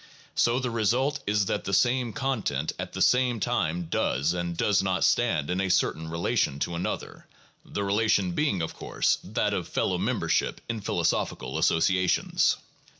So the result is that the same content at the same time does and does not stand in a certain relation to another, the relation being of course that of fellow membership in philosophical associations.